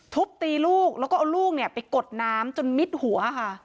ทุบตีลูกแล้วก็เอาลูกเนี่ยไปกดน้ำจนมิดหัวค่ะ